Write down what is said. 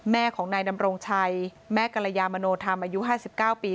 แม่ของนายดำรงชัยแม่กรยามโนธรรมอายุ๕๙ปี